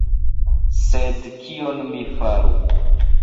Sed, kion mi faru?